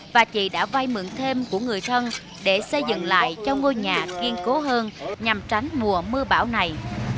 và chị đã vay mượn thêm của người thân để xây dựng lại cho ngôi nhà kiên cố hơn nhằm tránh mùa mưa bão này